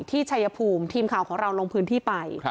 ชัยภูมิทีมข่าวของเราลงพื้นที่ไป